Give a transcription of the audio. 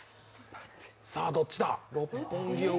さぁどっちだ？